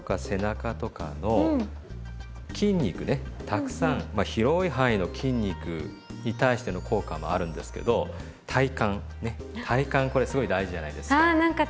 たくさんまあ広い範囲の筋肉に対しての効果もあるんですけど体幹ね体幹これすごい大事じゃないですか。